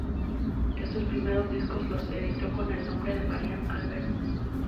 Estos primeros discos los editó con el nombre de Marian Albero.